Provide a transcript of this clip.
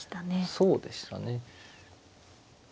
そうでしたね。